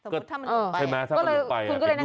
ใช่ไหมถ้ามันหลงไป